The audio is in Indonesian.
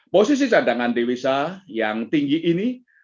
posisi cadangan devisa yang tinggi ini